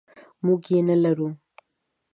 موږ یې نلرو.